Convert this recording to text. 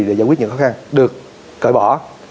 để giải quyết những khó khăn được cởi bỏ